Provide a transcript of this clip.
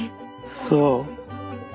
そう。